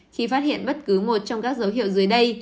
khi phát hiện bất cứ một trong các dấu hiệu dưới đây